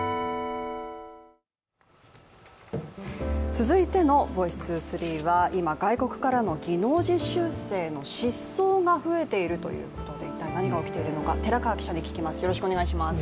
続いての「ｖｏｉｃｅ２３」は、今、外国からの技能実習生の失踪が増えているということで一体今、何が起きているのか寺川記者に聞きます。